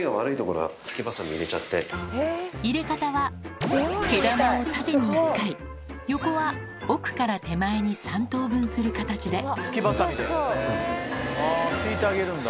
入れ方は毛玉を縦に１回横は奥から手前に３等分する形でスキバサミであぁすいてあげるんだ。